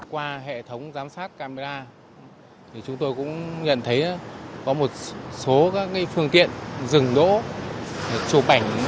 qua hệ thống giám sát camera thì chúng tôi cũng nhận thấy có một số các phương tiện dừng đỗ chụp ảnh